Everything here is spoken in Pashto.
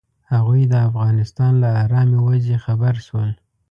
هغوی د افغانستان له ارامې وضعې خبر شول.